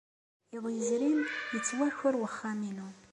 Iḍ yezrin, yettwaker wexxam-inu.